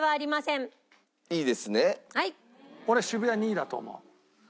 俺渋谷２位だと思う。